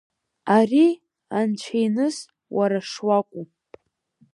Ари, анцәиныс, уара шуакәу!